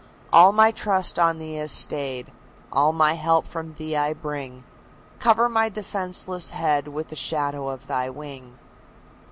"All my trust on Thee is stayed; all my help from Thee I bring; Cover my defenseless head with the shadow of Thy wing."